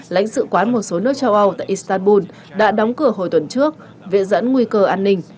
lãnh sự quán một số nước châu âu tại istanbul đã đóng cửa hồi tuần trước vệ dẫn nguy cơ an ninh